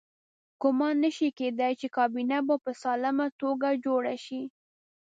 ګمان نه شي کېدای چې کابینه به په سالمه توګه جوړه شي.